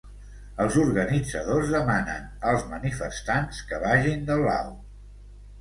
Els organitzadors demanen als manifestants que vagin de blau.